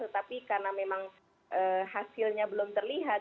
tetapi karena memang hasilnya belum terlihat